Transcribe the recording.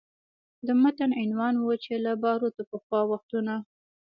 د متن عنوان و چې له باروتو پخوا وختونه